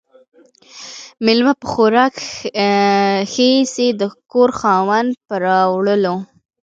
ميلمه په خوراک ِښه ايسي ، د کور خاوند ، په راوړلو.